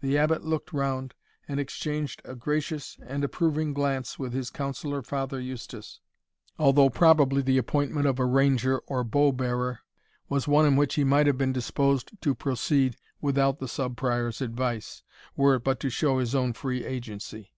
The Abbot looked round, and exchanged a gracious and approving glance with his counsellor Father Eustace, although probably the appointment of a ranger, or bow bearer, was one in which he might have been disposed to proceed without the Sub Prior's advice, were it but to show his own free agency.